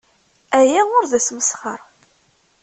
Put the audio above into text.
Aya ur d asmesxer.